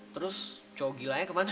terus cowok gilanya kemana